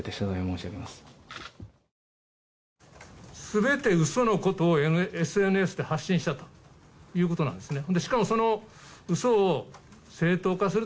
全て嘘のことをＳＮＳで発信したということなんですね。